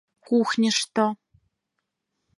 — Кухньышто...